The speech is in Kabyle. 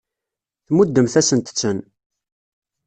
Tmuddemt-asent-ten.